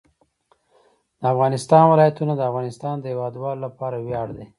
د افغانستان ولايتونه د افغانستان د هیوادوالو لپاره ویاړ دی.